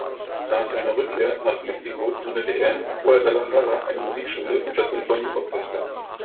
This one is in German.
Nach seiner Rückkehr nach Mexiko gründete er in Guadalajara eine Musikschule und das Sinfonieorchester.